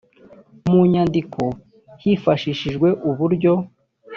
mu nyandiko hifashishijwe uburyo